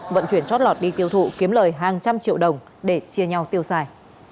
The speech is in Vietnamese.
vận chuyển chót lọt đi tiêu thụ kiếm lời hàng trăm triệu đồng để chia nhau tiêu xài